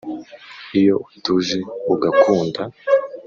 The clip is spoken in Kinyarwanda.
iyo utuje ugakunda